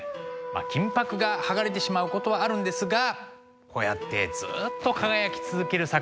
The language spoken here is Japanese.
金箔が剥がれてしまうことはあるんですがこうやってずっと輝き続ける作品もたくさんあります。